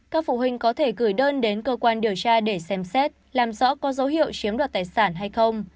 các phụ huynh có thể gửi đơn đến cơ quan điều tra để xem xét làm rõ có dấu hiệu chiếm đoạt tài sản hay không